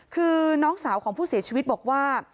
คือน้องสาวของผู้เสียชีวิตบอกว่า